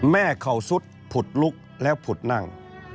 แม่เขาสุดผุดลุกและผุดนั่ง